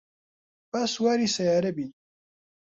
با سواری سەیارە بین.